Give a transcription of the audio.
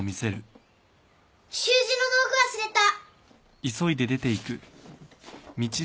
習字の道具忘れた！